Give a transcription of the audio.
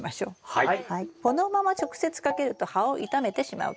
はい。